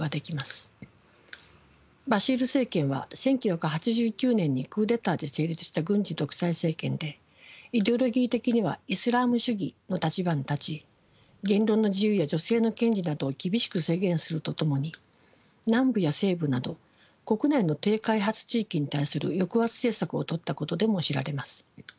バシール政権は１９８９年にクーデターで成立した軍事独裁政権でイデオロギー的にはイスラーム主義の立場に立ち言論の自由や女性の権利などを厳しく制限するとともに南部や西部など国内の低開発地域に対する抑圧政策をとったことでも知られます。